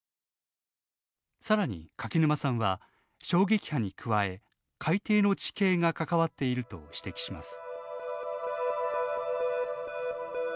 さらに、柿沼さんは衝撃波に加え海底の地形が関わっていると指摘します。